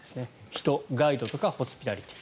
ヒトガイドとかホスピタリティー。